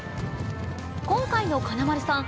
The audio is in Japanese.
今回の金丸さん